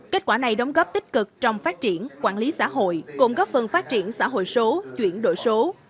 kết quả này đóng góp tích cực trong phát triển quản lý xã hội cộng góp phần phát triển xã hội số chuyển đổi số